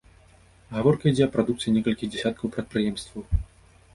Гаворка ідзе аб прадукцыі некалькіх дзясяткаў прадпрыемстваў.